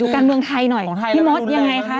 การเมืองไทยหน่อยพี่มดยังไงคะ